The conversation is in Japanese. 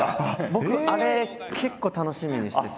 僕あれ結構楽しみにしてて。